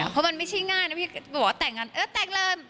เพราะมันไม่ใช่ง่ายนะพี่บอกว่าแต่งงานเออแต่งเลย